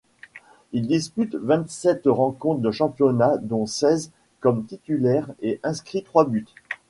Il dispute vingt-sept rencontres de championnat dont seize comme titulaire et inscrit trois buts.